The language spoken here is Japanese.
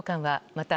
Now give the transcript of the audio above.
また